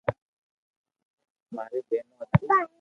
ماري ٻينو ھتي